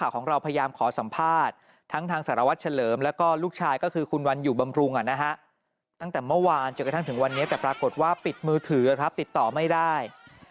กระทั่งถึงวันนี้แต่ปรากฏว่าปิดมือถือครับติดต่อไม่ได้